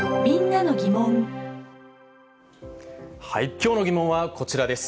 きょうのギモンはこちらです。